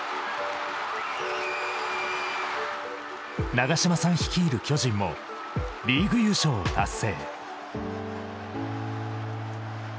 長嶋さん率いる巨人もリーグ優勝を達成。